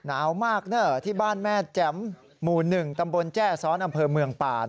นาวมากที่บ้านแม่แจ้มมูหนึ่งตำบลแจ้ซ้อนอำเภอเมืองป่าน